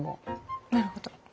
なるほど。